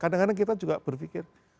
kadang kadang kita juga berpikir